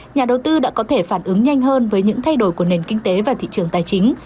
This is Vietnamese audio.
nhà đầu tư đã có thể phản ứng nhanh hơn với những thay đổi của nền kinh tế và thị trường tài chính